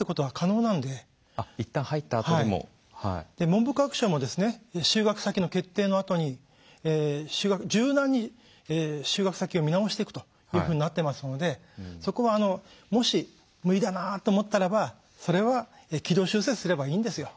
文部科学省も就学先の決定のあとに柔軟に就学先を見直していくというふうになってますのでそこはもし無理だなと思ったらばそれは軌道修正すればいいんですよ。